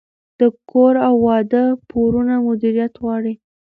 د کور او واده پورونه مدیریت غواړي.